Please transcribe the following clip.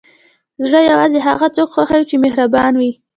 زړه یوازې هغه څوک خوښوي چې مهربان وي.